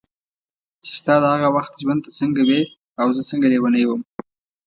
چې ستا د هغه وخت ژوند ته څنګه وې او زه څنګه لیونی وم.